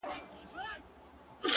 • چي كوټې ته سو دننه د ټگانو,